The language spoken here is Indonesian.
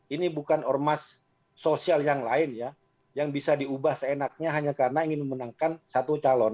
ini bukan ormas sosial yang lain ya yang bisa diubah seenaknya hanya karena ingin memenangkan satu calon